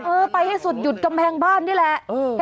เออไปให้สุดหยุดกำแพงบ้านนี่แหละ